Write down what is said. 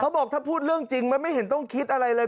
บอกถ้าพูดเรื่องจริงมันไม่เห็นต้องคิดอะไรเลย